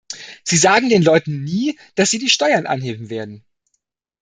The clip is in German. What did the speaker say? Sie sagen den Leuten nie, dass Sie die Steuern anheben werden.